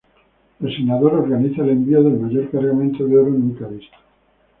El senador organiza el envío del mayor cargamento de oro nunca visto.